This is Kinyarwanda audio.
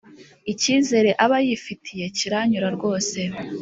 ikizere aba yifitiye kiranyura rwose